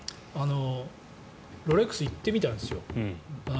ロレックス行ってみたんですよ。